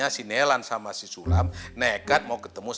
orang orang di muslims lockdown pun terjizik terus